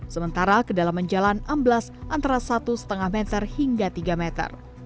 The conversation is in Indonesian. sementara ke dalam menjalan amblas antara satu lima meter hingga tiga meter